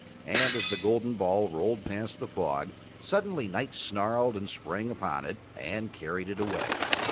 And as the golden ball rolled past the Fog suddenly Night snarled and sprang upon it and carried it away.